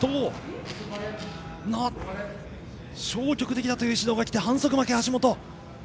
消極的だという指導がきて反則負け、橋本。